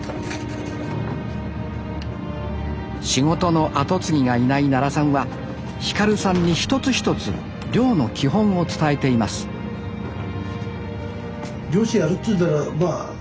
仕事の後継ぎがいない奈良さんは輝さんに一つ一つ漁の基本を伝えています漁師やるっつうんならまあ